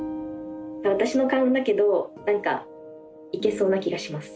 私の勘だけど何かいけそうな気がします。